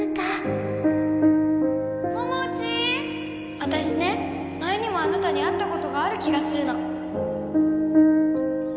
あたしね前にもあなたに会ったことがある気がするの。